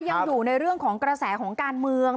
ยังอยู่ในเรื่องของกระแสของการเมือง